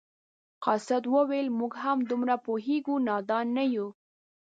قاصد وویل موږ هم دومره پوهیږو نادان نه یو.